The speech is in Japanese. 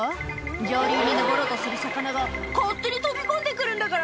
「上流に上ろうとする魚が勝手に飛び込んでくるんだから」